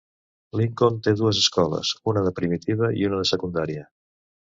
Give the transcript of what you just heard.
Lincoln té dues escoles, una de primària i una de secundària.